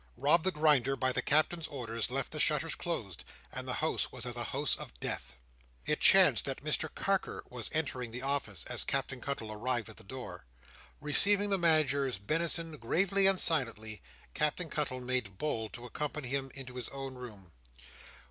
Rob the Grinder, by the Captain's orders, left the shutters closed, and the house was as a house of death. It chanced that Mr Carker was entering the office, as Captain Cuttle arrived at the door. Receiving the Manager's benison gravely and silently, Captain Cuttle made bold to accompany him into his own room.